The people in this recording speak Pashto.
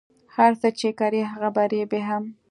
هر څه چی کری هغه به ریبی هم